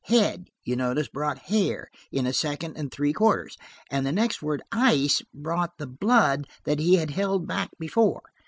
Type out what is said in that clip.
'Head,' you noticed brought 'hair' in a second and three quarters, and the next word 'ice,' brought the 'blood' that he had held back before.